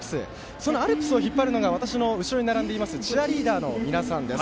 そのアルプスを引っ張るのが私の後ろ側に並んでいるチアリーダーの皆さんです。